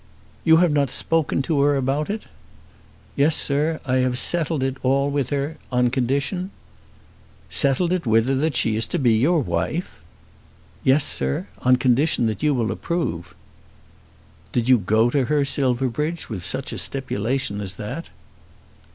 "You have not spoken to her about it?" "Yes, sir; I have settled it all with her, on condition " "Settled it with her that she is to be your wife!" "Yes, sir, on condition that you will approve." "Did you go to her, Silverbridge, with such a stipulation as that?"